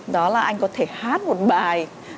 đó là anh có thể hát một bài